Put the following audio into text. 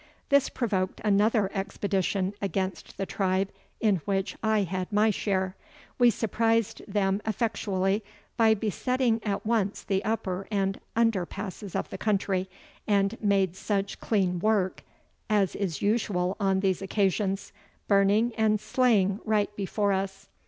This provoked another expedition against the tribe, in which I had my share; we surprised them effectually, by besetting at once the upper and under passes of the country, and made such clean work as is usual on these occasions, burning and slaying right before us.